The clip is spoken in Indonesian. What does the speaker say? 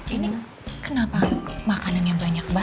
ini kenapa makanan yang banyak